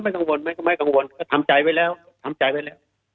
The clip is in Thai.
ไม่กังวลนะตอนนี้ก็ไม่กังวลก็ทำใจไว้แล้วทำใจไว้แล้ว